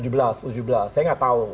saya gak tau